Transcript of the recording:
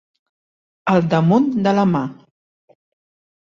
El damunt de la mà.